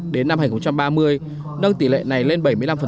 đến năm hai nghìn ba mươi nâng tỷ lệ này lên bảy mươi năm